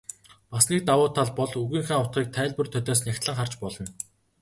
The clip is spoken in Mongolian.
Бас нэг давуу тал бол үгийнхээ утгыг тайлбар толиос нягтлан харж болно.